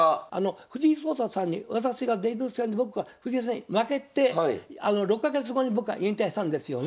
藤井聡太さんに私がデビュー戦で僕が藤井さんに負けて６か月後に僕は引退したんですよね。